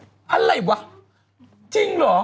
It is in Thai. ก็คือใจวะจริงหรอ